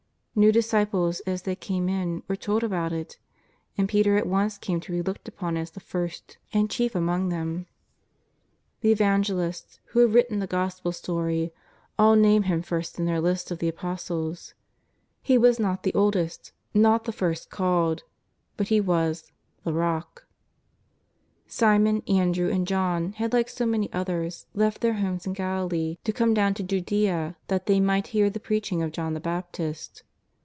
'New disciples as they came in were told about it, and Peter at once came to be looked upon as the first and chief among 134 JESUS OF NAZARETH. them. The Evangelists, who have written the Gospel storj, all name him first in their lists of the Apostles. He was not the oldest, not the first called, but he was '' the Rock." Simon, Andrew and John had like so many others left their homes in Galilee to come down to Judea that thej might hear the preaching of John the Baptist.